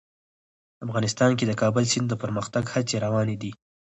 افغانستان کې د کابل سیند د پرمختګ هڅې روانې دي.